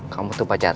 kamu tuh pacaran aku